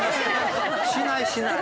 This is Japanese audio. しないしない。